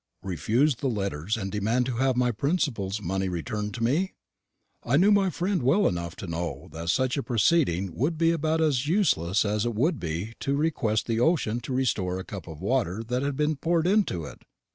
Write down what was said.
Refuse the letters, and demand to have my principal's money returned to me? I knew my friend well enough to know that such a proceeding would be about as useless as it would be to request the ocean to restore a cup of water that had been poured into it.